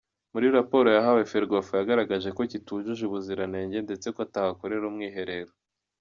Muri raporo yahaye Ferwafa yagaragaje ko kitujuje ubuziranenge ndetse ko atahakorera umwiherero.